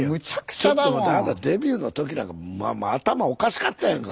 ちょっと待ってあなたデビューの時なんか頭おかしかったやんか。